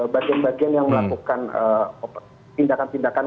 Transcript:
bagian bagian yang melakukan tindakan tindakan